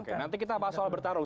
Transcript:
oke nanti kita bahas soal bertarung